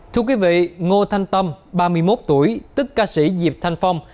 thưa quý vị ngô thanh tâm ba mươi một tuổi tức ca sĩ diệp thanh phong